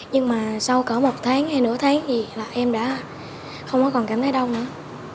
nhưng mà sau cả một tháng hay nửa tháng thì em đã không còn cảm thấy đau nữa